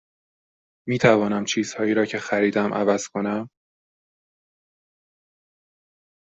می توانم چیزهایی را که خریدم عوض کنم؟